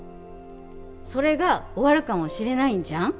それが終わるかもしれないんじゃん。